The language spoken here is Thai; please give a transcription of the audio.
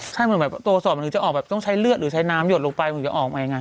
ใช่คือมึงแบบโตส่อมมันก็จะออกแบบต้องใช้เลือดหรือใช้น้ำหยดลงไปก็มึงจะออกไหมไง